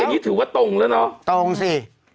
อันนี้ถือว่าตรงแล้วเนอะตรงสิ